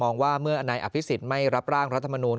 ว่าเมื่อนายอภิษฎไม่รับร่างรัฐมนูล